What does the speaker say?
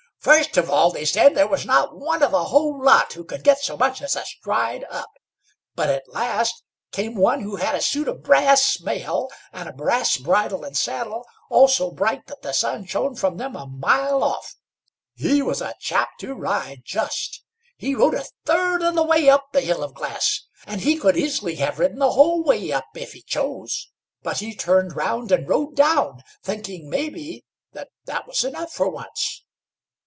"First of all," they said, "there was not one of the whole lot who could get so much as a stride up; but at last came one who had a suit of brass mail, and a brass bridle and saddle, all so bright that the sun shone from them a mile off. He was a chap to ride, just! He rode a third of the way up the Hill of Glass, and he could easily have ridden the whole way up, if he chose; but he turned round and rode down, thinking, maybe, that was enough for once."